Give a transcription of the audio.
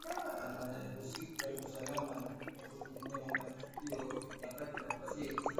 anayehusika na usalama aliyefika kwenye eneo la tukio nyakati za alfajiri